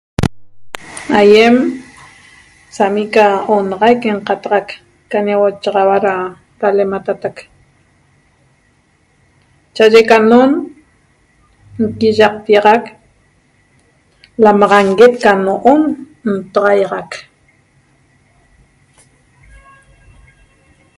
Aiem sami ca onaxaic nqataxac ca ñauochaxaua ra ralematatac cha'aye ca no'on nquiyaqtiaxac lamaxanguet ca no'on ntaxaiaxac